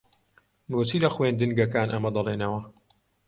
بۆچی لە خوێندنگەکان ئەمە دەڵێنەوە؟